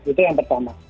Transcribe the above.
itu yang pertama